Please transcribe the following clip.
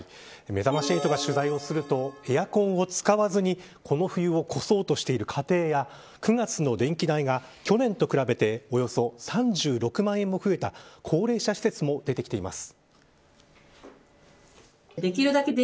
めざまし８が取材するとエアコンを使わずにこの冬を越そうとする家庭や９月の電気代が去年と比べておよそ３６万円も増えた高齢者施設も出てきています。